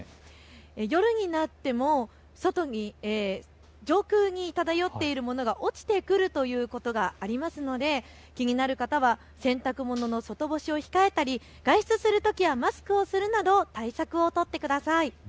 夜になっても上空に漂っているものが落ちてくるということがありますので気になる方は洗濯物の外干しを控えたり外出するときはマスクをするなど対策を取ってください。